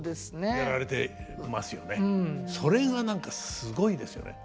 それが何かすごいですよね。